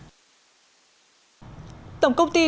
tổng công ty đường xe tự động